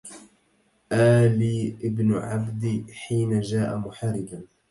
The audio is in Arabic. آلى ابن عبد حين جاء محاربا